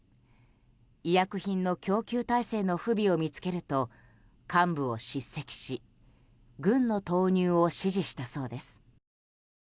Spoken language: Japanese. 医薬品の供給体制の不備を見つけると幹部を叱責し軍の投入を指示したそうです。